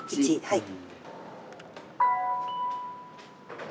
はい。